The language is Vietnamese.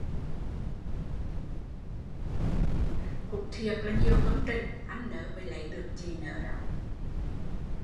Cũng thiệt là nhiều công trình anh nớ mới lấy được chị nớ